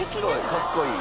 かっこいい。